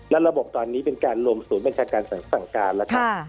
และระบบตอนนี้เป็นการรวมศูนย์บัญชาการสั่งการแล้วครับ